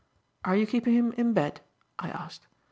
"Are you keeping him in bed?" I asked.